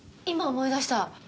今思い出した。